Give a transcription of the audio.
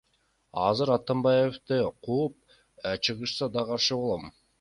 Азыр Атамбаевди кууп чыгышса да каршы болом.